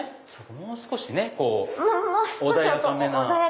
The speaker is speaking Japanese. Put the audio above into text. もう少し穏やかめな。